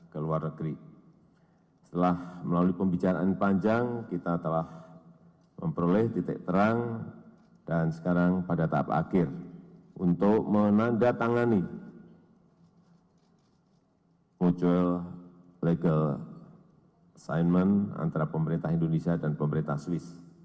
kami juga tidak memberikan toleransi sedikitpun kepada pelaku tidak pidana korupsi yang melarikan uang hasil korupsi